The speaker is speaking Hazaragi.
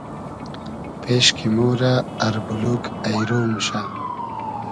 پېش کی مۉرۂ اربولوگ اݷرۉ موشۂ